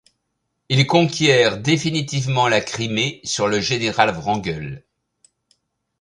Il conquiert définitivement la Crimée sur le général Wrangel.